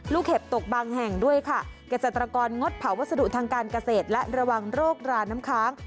เห็บตกบางแห่งด้วยค่ะเกษตรกรงดเผาวัสดุทางการเกษตรและระวังโรคราน้ำค้าง